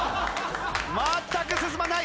全く進まない！